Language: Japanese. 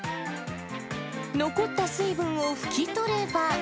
残った水分を拭き取れば。